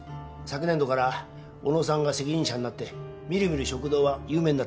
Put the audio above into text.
昨年度から小野さんが責任者になって見る見る食堂は有名になった。